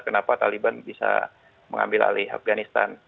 kenapa taliban bisa mengambil alih afganistan